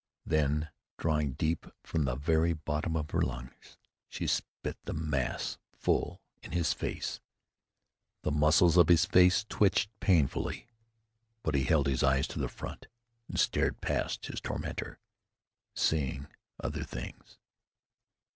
Then, drawing deep from the very bottom of her lungs, she spat the mass full in his face. The muscles of his face twitched painfully but he held his eyes to the front and stared past his tormentor, seeing other things.